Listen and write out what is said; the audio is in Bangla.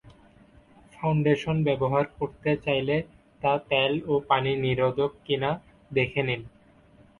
ফাউন্ডেশন ব্যবহার করতে চাইলে তা তেল ও পানিনিরোধক কি না দেখে নিন।